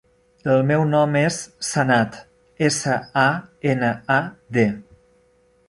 El meu nom és Sanad: essa, a, ena, a, de.